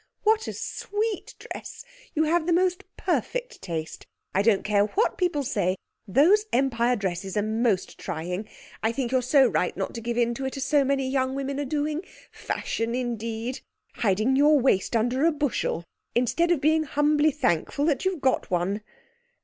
What a sweet dress! You have the most perfect taste. I don't care what people say, those Empire dresses are most trying. I think you're so right not to give in to it as so many young women are doing. Fashion indeed! Hiding your waist under a bushel instead of being humbly thankful that you've got one!